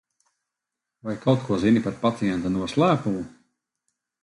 Vai kaut ko zini par pacienta noslēpumu?